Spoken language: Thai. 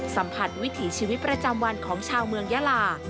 สัมผัสวิถีชีวิตประจำวันของชาวเมืองยาลา